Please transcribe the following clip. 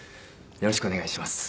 よろしくお願いします。